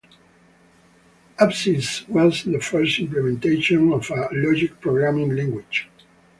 Absys was the first implementation of a logic programming language.